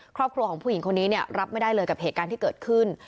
ครอบครัวของผู้หญิงคนนี้รับไม่ได้เลยกับเหตุการณ์ที่เกิดขึ้น